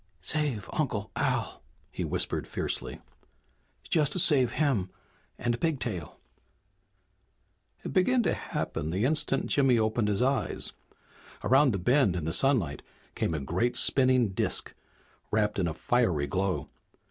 "Save Uncle Al!" he whispered fiercely. "Just save him and Pigtail!" It began to happen the instant Jimmy opened his eyes. Around the bend in the sunlight came a great spinning disk, wrapped in a fiery glow.